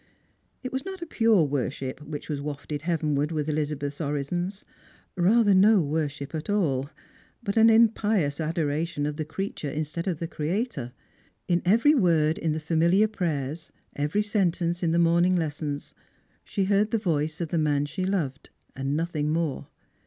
It was not a pure worship which was wafted heavenward with Elizabeth's orisons : rather, no worship at all, but an impious adoration of the creature instead of the Creator; in every word in the familiar prayers, every sentence in the morning lessons, she heard the voice of the man she loved, and nothing more.